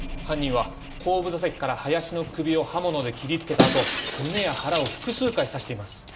犯人は後部座席から林の首を刃物で切りつけた後胸や腹を複数回刺しています。